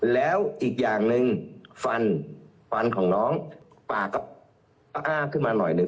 แล้วอีกอย่างหนึ่งฟันฟันของน้องปากก็อ้าขึ้นมาหน่อยหนึ่ง